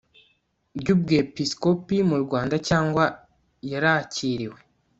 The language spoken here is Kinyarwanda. ry ubwepisikopi mu rwanda cyangwa yarakiriwe